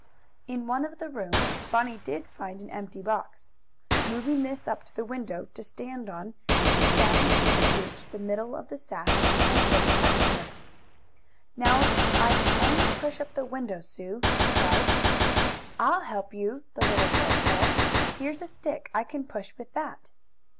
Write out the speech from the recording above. In one of the rooms Bunny did find an empty box. Moving this up to the window to stand on he found he could reach the middle of the sash, and turn the fastener. "Now if I can only push up the window, Sue!" he cried. "I'll help you," the little girl said. "Here's a stick, I can push with that."